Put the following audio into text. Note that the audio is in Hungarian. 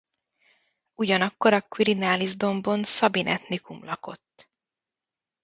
Ugyanakkor a Quirinalis-dombon szabin etnikum lakott.